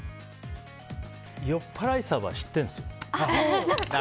よっぱらいサバは知ってるんですよ。